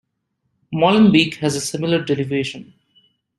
Molenbeek has a similar derivation.